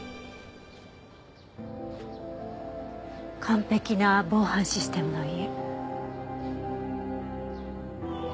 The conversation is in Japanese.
完璧な防犯システムの家。